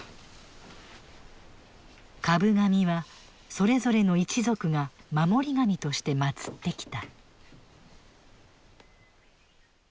株神はそれぞれの一族が守り神として祀ってきた。